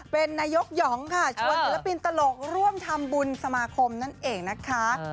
เป็นนายกหองค่ะชวนศิลปินตลกร่วมทำบุญสมาคมนั่นเองนะคะ